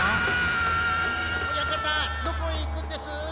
親方どこへいくんです？